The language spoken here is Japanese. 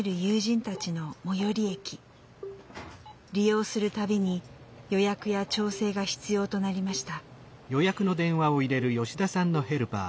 利用する度に予約や調整が必要となりました。